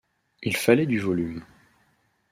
Il fallait du volume.